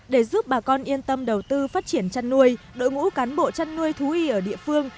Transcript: để giúp bà con yên tâm đầu tư phát triển chăn nuôi đội ngũ cán bộ chăn nuôi thú y ở địa phương